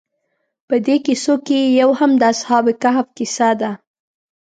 په دې کیسو کې یو هم د اصحاب کهف کیسه ده.